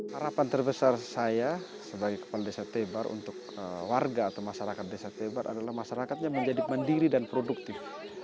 harapan terbesar saya sebagai kepala desa tebar untuk warga atau masyarakat desa tebar adalah masyarakatnya menjadi mandiri dan produktif